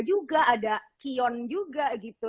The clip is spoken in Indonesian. juga ada kion juga gitu